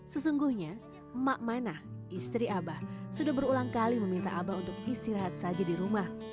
sesungguhnya emak manah istri abah sudah berulang kali meminta abah untuk istirahat saja di rumah